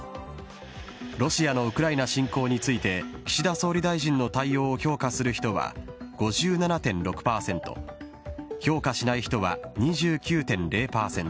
ロシアのウクライナ侵攻について、岸田総理大臣の対応を評価する人は５７．６％、評価しない人は２９．０％。